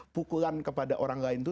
pukulan kepada orang lain itu